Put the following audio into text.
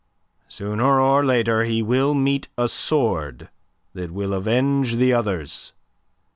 Sooner or later he will meet a sword that will avenge the others.